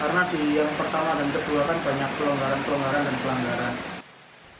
karena di yang pertama dan kedua kan banyak pelonggaran pelonggaran dan pelanggaran